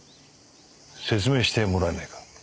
説明してもらえないか？